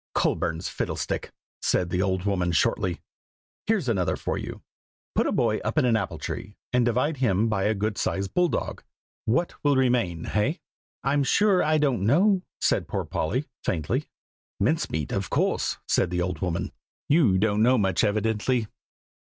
"Colburn's Fiddlestick!" said the old woman, shortly. "Here's another for you. Put a boy up an apple tree, and divide him by a good sized bull dog; what will remain? hey?" "I'm sure I don't know," said poor Polly, faintly. "Mince meat, of course," said the old woman. "You don't know much, evidently."